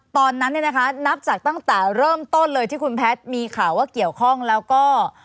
ตอนนั้นเนี่ยนะคะนับจากตั้งแต่เริ่มต้นเลยที่คุณแพทย์มีข่าวว่าเกี่ยวข้องแล้วก็